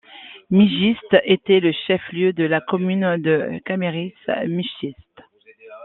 Mijzijde était le chef-lieu de la commune de Kamerik-Mijzijde.